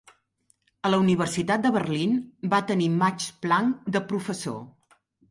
A la Universitat de Berlín, va tenir Max Planck de professor.